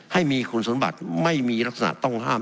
ให้มีคุณสมบัติไม่มีลักษณะต้องห้าม